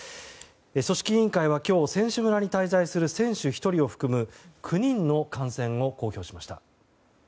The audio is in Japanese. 組織委員会は今日選手村に滞在する選手１人を含む９人の感染を公表しました。